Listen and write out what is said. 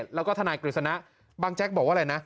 แล้วก็ทนายกฤษณะบางแจ๊กบอกว่าอะไรนะ